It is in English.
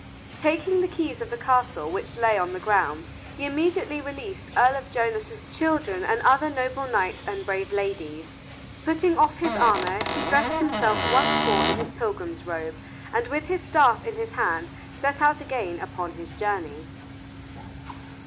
Taking the keys of the castle, which lay on the ground, he immediately released Earl of Jonas's children and other noble knights and brave ladies. Putting off his armor, he dressed himself once more in his pilgrim's robe, and with his staff in his hand set out again upon his journey.